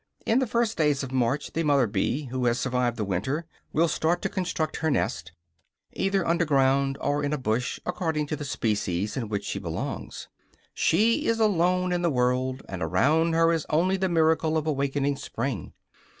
In the first days of March the mother bee, who has survived the winter, will start to construct her nest, either underground or in a bush, according to the species to which she belongs. She is alone in the world, and around her is only the miracle of awakening spring.